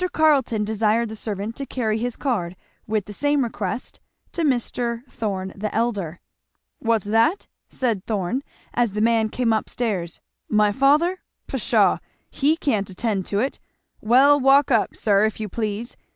Carleton desired the servant to carry his card, with the same request, to Mr, Thorn the elder. "What's that?" said Thorn as the man came up stairs, "my father? Pshaw! he can't attend to it Well, walk up, sir, if you please!